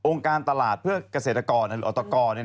องค์การตลาดเพื่อกเศรษฐกรหรืออตกร